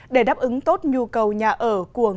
để đáp ứng tốt nhu cầu nhà ở của ngành